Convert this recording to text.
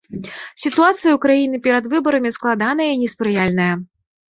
Сітуацыя у краіне перад выбарамі складаная і неспрыяльная.